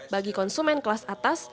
bagi konsumen kelas atas